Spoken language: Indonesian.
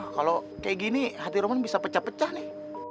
kalo kayak gini hati roman bisa pecah pecah nih